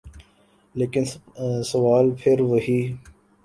لیکن سوال پھر وہی۔